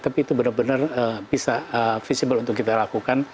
tapi itu benar benar bisa visible untuk kita lakukan